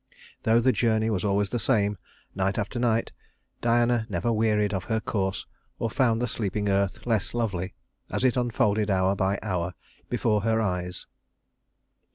Though the journey was always the same, night after night, Diana never wearied of her course or found the sleeping earth less lovely, as it unfolded hour by hour before her eyes.